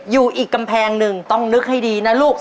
อยู่อีกกำแพงหนึ่งต้องนึกให้ดีนะลูก